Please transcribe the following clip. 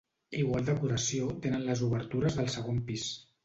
Igual decoració tenen les obertures del segon pis.